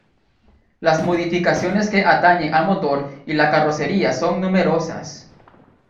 Las modificaciones que atañen al motor y la carrocería son numerosas.